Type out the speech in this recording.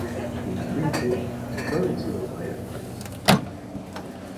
Finalmente fue vencido por Hercules.